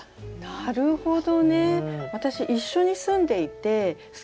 なるほど。